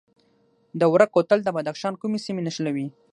دوره کوتل د بدخشان کومې سیمې نښلوي؟